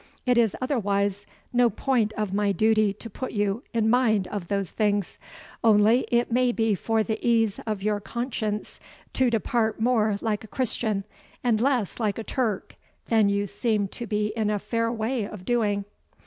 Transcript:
It is otherwise no point of my duty to put you in mind of those things; only it may be for the ease of your conscience to depart more like a Christian, and less like a Turk, than you seem to be in a fair way of doing."